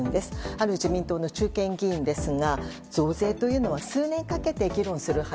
ある自民党の中堅議員ですが増税というのは数年かけて議論する話。